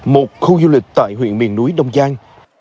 một khu du lịch tại huyện miền núi đông giang